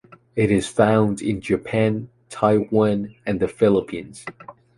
It is found in Japan, Taiwan and the Philippines.